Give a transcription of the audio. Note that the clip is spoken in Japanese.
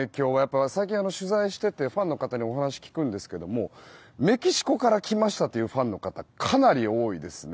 最近、取材していてファンの方にお話を聞くんですけれどもメキシコから来ましたというファンの方がかなり多いですね。